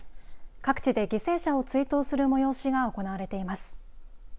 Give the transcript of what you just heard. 各地で犠牲者を追悼する催しが行われています。